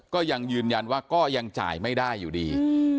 ก็ยังยืนยันว่าก็ยังจ่ายไม่ได้อยู่ดี